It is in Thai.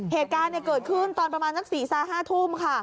เหตุการณ์เนี้ยเกิดขึ้นตอนประมาณนักศรีศาสตร์ห้าทุ่มค่ะ